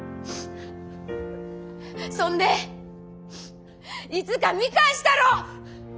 そんでいつか見返したろ！